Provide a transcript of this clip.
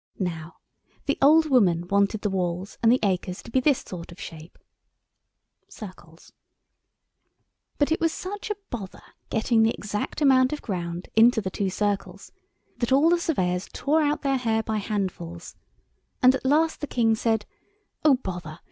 Now, the old woman wanted the walls and the acres to be this sort of shape— But it was such a bother getting the exact amount of ground into the two circles that all the surveyors tore out their hair by handfuls, and at last the King said, "Oh bother!